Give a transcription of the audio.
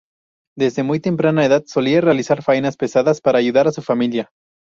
Desde muy temprana edad solía realizar faenas pesadas para ayudar a su familia.